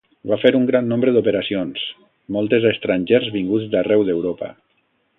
Va fer un gran nombre d’operacions, moltes a estrangers vinguts d'arreu d'Europa.